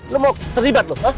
lu mau terlibat lu